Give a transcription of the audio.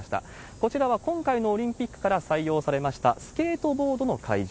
こちらは今回のオリンピックから採用されましたスケートボードの会場。